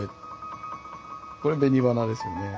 これ紅花ですよね。